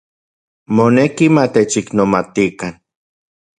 Moneki matechiknomatikan.